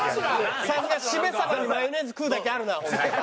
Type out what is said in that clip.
さすがシメサバにマヨネーズ食うだけあるな。